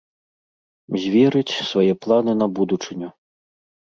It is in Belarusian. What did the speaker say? Зверыць свае планы на будучыню.